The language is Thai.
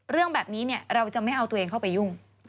เรื่องแบบนี้เราจะไม่เอาตัวเองเข้าไปยุ่ง